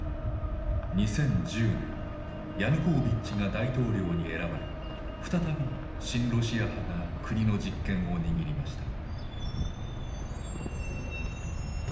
２０１０年ヤヌコービッチが大統領に選ばれ再び親ロシア派が国の実権を握りました。